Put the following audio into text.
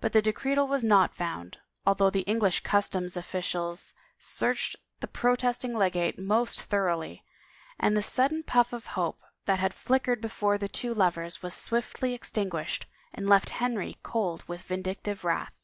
But the decretal was not found, although the English customs officials searched the protesting legate most thor oughly; and the sudden pufiF of hope that had flickered before the two lovers was swiftly extinguished and left Henry cold with vindictive wrath.